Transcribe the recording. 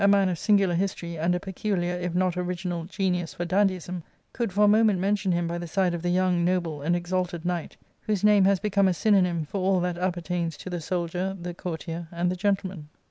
man of singular history, and a peculiar, if not original, geniusjorjdandyism — could for a moment mention him by the side of the young, noble, and exalted knight, whose name has become a synonym for all that appertains to the soldier, the courtier, and the gentleman.